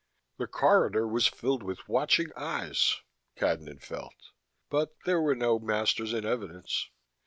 The corridor was filled with watching eyes, Cadnan felt: but there were no masters in evidence.